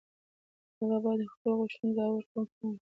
هغه باید د خپلو غوښتنو ځواب ورکوونکې ومومي.